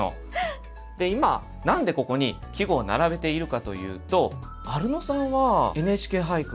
で今何でここに季語を並べているかというとアルノさんは「ＮＨＫ俳句」